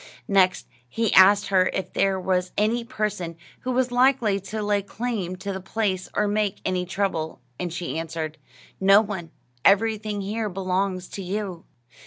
Next he asked her if there was any person who was likely to lay claim to the place or make any trouble; and she answered: "No one; everything here belongs to you."